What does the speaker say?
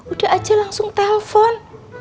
udah aja langsung telpon